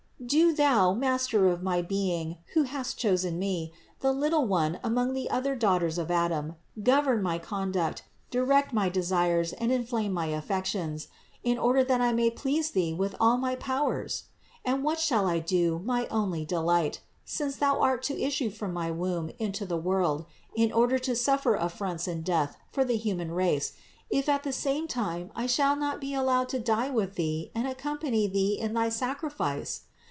Do Thou, Master of my being, who hast chosen me, the little one among the other daughters of Adam, govern my conduct, direct my desires and inflame my affections, in order that I may please Thee with all my powers ! And what shall I do, my only Delight, since Thou art to issue from my womb into the world in order to suffer affronts and death for the human race, if at the same time I shall not be allowed to die with Thee and accompany Thee in thy sacrifice?